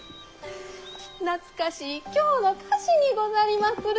懐かしい京の菓子にござりまする。